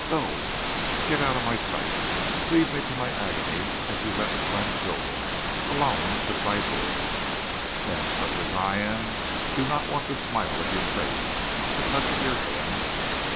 Go! Get out of my sight! Leave me to my agony as you left Glenn Kilbourne alone to fight his! Men such as I am do not want the smile of your face, the touch of your hand!